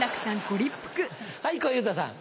はい小遊三さん。